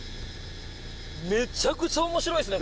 めっちゃくちゃ面白いですね